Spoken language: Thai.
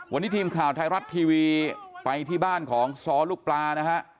วันนี้ทีมข่าวไทยรัฐทีวีไปที่บ้านของซ้อลูกปลานะฮะ